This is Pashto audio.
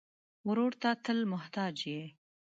ورور ته تل محتاج یې.